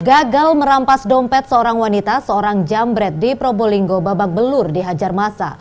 gagal merampas dompet seorang wanita seorang jambret di probolinggo babak belur dihajar masa